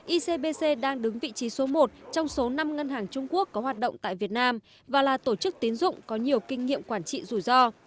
icbc đang đứng vị trí số một trong số năm ngân hàng trung quốc có hoạt động tại việt nam và là tổ chức tín dụng có nhiều kinh nghiệm quản trị rủi ro